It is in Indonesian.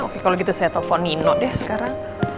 oke kalau gitu saya telepon nino deh sekarang